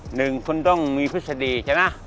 หนึ่งคุณต้องมีพฤษฎีใช่ไหม